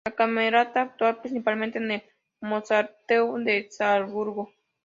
La Camerata actúa principalmente en el Mozarteum de Salzburgo.